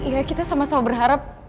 ya kita sama sama berharap